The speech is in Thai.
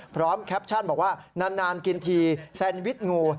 แคปชั่นบอกว่านานกินทีแซนวิชงู